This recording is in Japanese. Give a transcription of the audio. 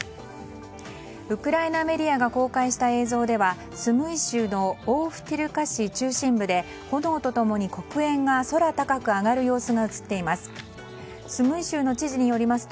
ウクライナメディアが公開した映像ではスムイ州のオーフティルカ市中心部で炎と共に黒煙が空高く上がる様子が映っています。